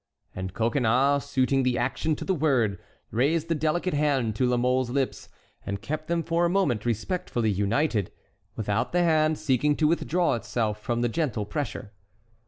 And Coconnas, suiting the action to the word, raised the delicate hand to La Mole's lips, and kept them for a moment respectfully united, without the hand seeking to withdraw itself from the gentle pressure.